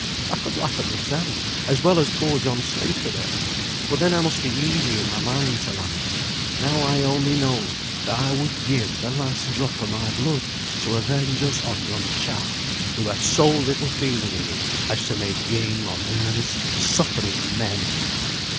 I could laugh at mysel, as well as poor John Slater there; but then I must be easy in my mind to laugh. Now I only know that I would give the last drop o' my blood to avenge us on yon chap, who had so little feeling in him as to make game on earnest, suffering men!"